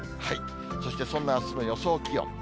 そして、そんなあすの予想気温。